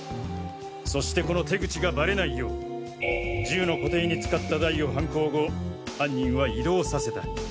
そしてこの手口がバレないよう銃の固定に使った台を犯行後犯人は移動させた。